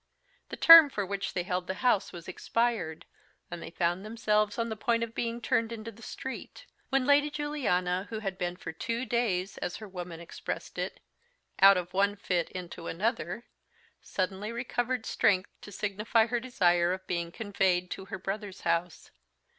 The term for which they held the house was expired, and they found themselves on the point of being turned into the street, when Lady Juliana, who had been for two days, as her woman expressed it, out of one fit into another, suddenly recovered strength to signify her desire of being conveyed to her brother's house.